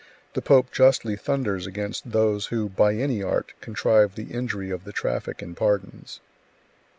The pope justly thunders against those who, by any art, contrive the injury of the traffic in pardons.